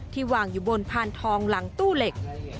วางอยู่บนพานทองหลังตู้เหล็ก